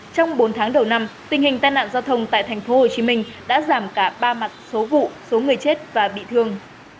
trong bốn tháng đầu năm tình hình tai nạn giao thông tại tp hcm đã giảm cả ba mặt số vụ số người chết và bị thương